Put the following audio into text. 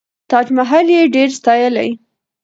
تاج محل یې ډېر ستایلی.